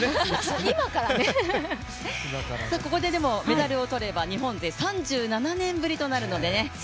ここでメダルをとれば日本勢３７年ぶりとなるのでね。